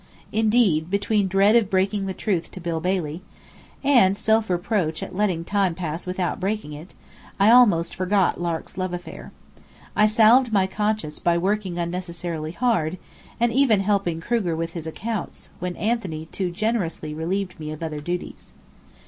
Indeed, between dread of breaking the truth to Bill Bailey, and self reproach at letting time pass without breaking it, I almost forgot Lark's love affair. I salved my conscience by working unnecessarily hard, and even helping Kruger with his accounts, when Anthony too generously relieved me of other duties.